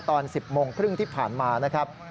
ตอน๑๐โมงครึ่งที่ผ่านมานะครับ